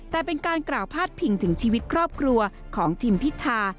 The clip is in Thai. แต่เป็นการกล่าวพาดพิงถึงชีวิตครอบครัวของทิมพิธา